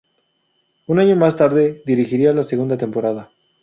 Un año más tarde dirigiría la segunda temporada.